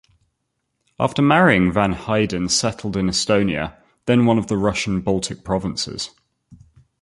After marrying van Heiden settled in Estonia, then one of the Russian Baltic provinces.